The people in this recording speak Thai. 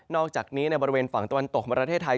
นอกจากนี้ในบริเวณฝั่งตะวันตกมาราศาสตร์ไทย